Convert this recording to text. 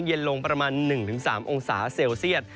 เย็นลงประมาณ๑๓องศาเซลเซียต